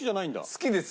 好きです。